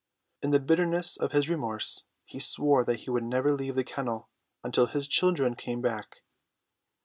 In the bitterness of his remorse he swore that he would never leave the kennel until his children came back.